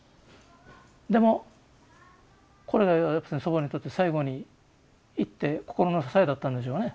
でもこれが祖母にとって最後に言って心の支えだったんでしょうね。